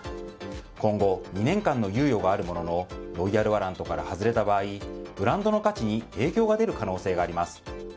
今後２年間の猶予があるもののロイヤル・ワラントから外れた場合ブランドの価値に影響が出る可能性があります。